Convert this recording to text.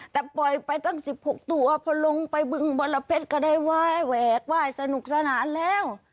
แต่ปล่อยไปตั้ง๑๖ตัวพอลงไปบึงบรเพชรก็ได้ไหว้แหวกไหว้สนุกสนานแล้ว